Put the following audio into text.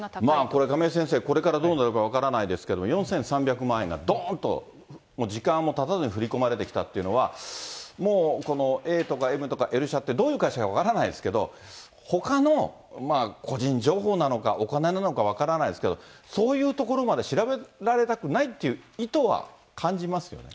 これ、亀井先生、これからどうなるか分からないですけど、４３００万円がどーんと、もう時間もたたずに振り込まれてきたというのは、もうこのＡとか、Ｍとか、Ｌ社って、どういう会社か分からないですけども、ほかの個人情報なのか、お金なのか分からないですけど、そういうところまで調べられたくないっていう意図は感じますよね。